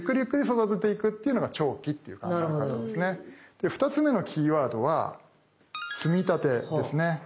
で２つ目のキーワードは積立ですね。